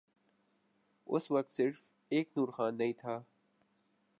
اس وقت صرف ایک نور خان نہیں تھا۔